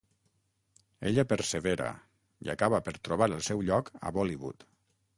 Ella persevera i acaba per trobar el seu lloc a Bollywood.